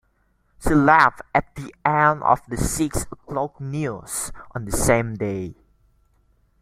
She left at the end of the "Six O'Clock News" on the same day.